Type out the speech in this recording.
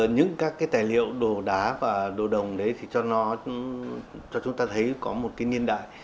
những các tài liệu đồ đá và đồ đồng đấy thì cho chúng ta thấy có một cái niên đại